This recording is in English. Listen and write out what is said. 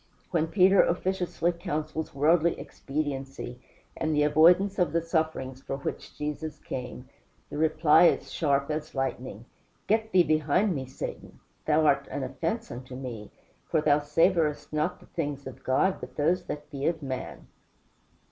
When Peter officiously counsels worldly expediency, and the avoidance of the sufferings for which Jesus came, the reply is sharp as lightning: "Get thee behind me, Satan; thou art an offence unto me; for thou savorest not the things of God, but those that be of man."